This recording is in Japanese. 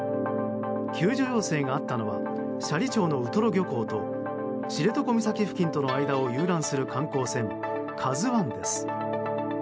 救助要請があったのは斜里町のウトロ漁港と知床岬付近との間を遊覧する観光船「ＫＡＺＵ１」です。